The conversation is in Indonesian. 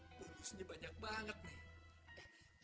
bonusnya banyak banget nih